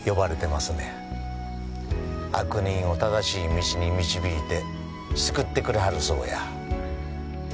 悪人を正しい道に導いて救ってくれはるそうや。